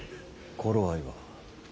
頃合いは。